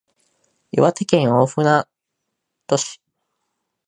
岩手県大船渡市